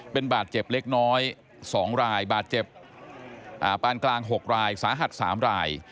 เป็นบาดเจ็บเล็กน้อย๒รายบาดเจ็บปานกลาง๖รายสาหัส๓ราย